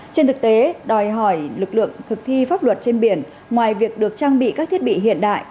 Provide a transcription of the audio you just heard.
trên thực tế đòi hỏi lực lượng thực thi pháp luật trên biển ngoài việc được trang bị các thiết bị hiện đại